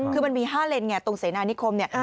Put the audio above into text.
คือมันมี๕เลนส์ไงตรงสายนานิคม